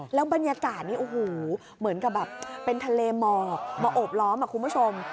แล้วบรรยากาศนี้โอ้โหเหมือนกับแบบเป็นทะเลหมอกมาโอบล้อมคุณผู้ชม